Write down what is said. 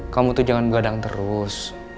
kamu tuh jangan gadang terus